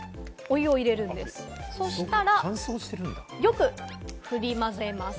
そしたら、よくふり混ぜます。